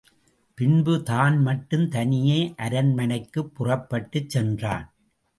பின்பு தான் மட்டும் தனியே அரண்மனைக்குப் புறப்பட்டுச் சென்றான்.